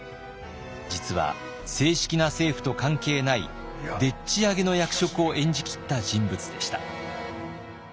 実は正式な政府と関係ないでっちあげの役職を演じきった人物でした。